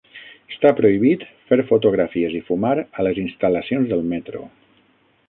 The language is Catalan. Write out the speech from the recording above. Està prohibit fer fotografies i fumar a les instal·lacions del metro.